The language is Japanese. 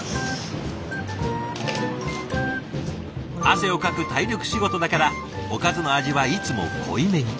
汗をかく体力仕事だからおかずの味はいつも濃いめに。